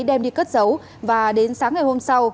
đem đi cất giấu và đến sáng ngày hôm sau